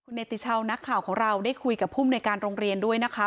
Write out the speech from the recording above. คุณเนธิเช่านักข่าวของเราได้คุยกับภูมิในการโรงเรียนด้วยนะคะ